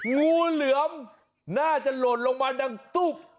งูเหลือมน่าจะหล่นลงมาดังตุ๊บ